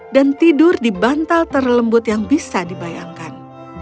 dan tidur di bantal terlembut yang bisa dibayangkan